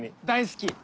大好き！